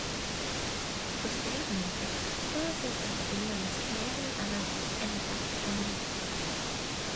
Posteriormente, todas estas opiniones generaron avances en la táctica militar.